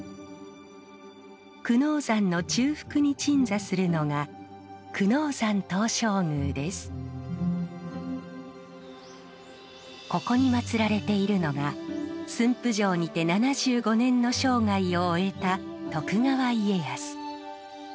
久能山の中腹に鎮座するのがここに祀られているのが駿府城にて７５年の生涯を終えた徳川家康。